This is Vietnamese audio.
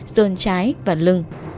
dơn trái và lưng